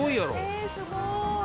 「ええすごい！」